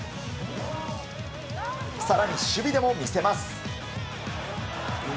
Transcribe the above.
更に守備でも見せます。